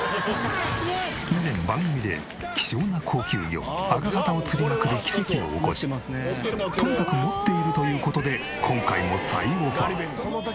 以前番組で希少な高級魚アカハタを釣りまくる奇跡を起こしとにかく持っているという事で今回も再オファー。